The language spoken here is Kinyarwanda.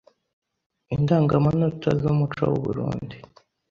Indangamanota z’umuco w’u Burunndi “